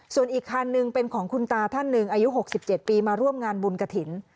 ส่วนอีกคันหนึ่งเป็นของคุณตาท่านหนึ่งอายุ๖๗ปีมาร่วมงานบุญกระถิ่น